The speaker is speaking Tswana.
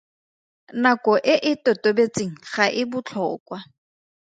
Nako e e totobetseng ga e botlhokwa.